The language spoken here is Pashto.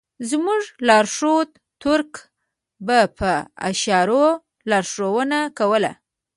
زموږ لارښود تُرک به په اشارو لارښوونه کوله.